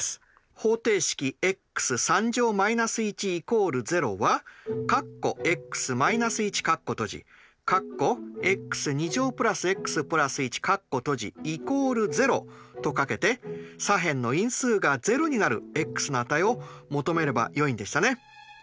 方程式と書けて左辺の因数が０になるｘの値を求めればよいんでしたね。